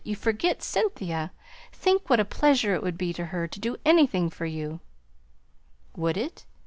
you forget Cynthia! Think what a pleasure it would be to her to do anything for you." "Would it?